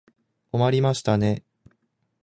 困りましたね。